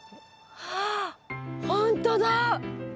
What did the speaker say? あっほんとだ！